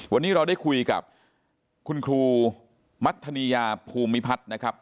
วันนี้เราได้คุยกับคุณครูมัธนียาภูมิพัฒน์นะครับ